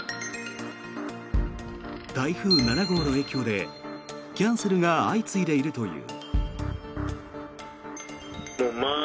台風７号の影響で、キャンセルが相次いでいるという。